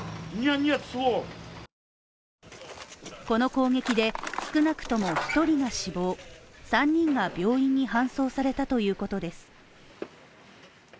この攻撃で、少なくとも１人が死亡３人が病院に搬送されたということです。